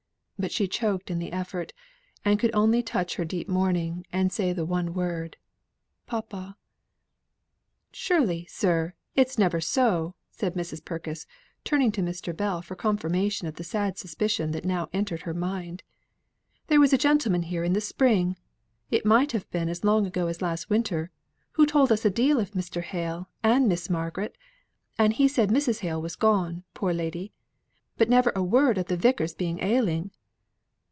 But she choked in the effort, and could only touch her deep mourning, and say the one word, "Papa." "Surely, sir, it's never so!" said Mrs. Purkis, turning to Mr. Bell for confirmation of the sad suspicion that now entered her mind. "There was a gentleman here in the spring might have been as long ago as last winter who told us a deal of Mr. Hale and Miss Margaret; and he said Mrs. Hale was gone, poor lady. But never a word of the Vicar's being ailing!"